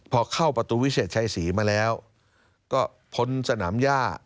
พอเข้าประตูวิเศษชัยศรีมาแล้วก็พ้นสนามย่า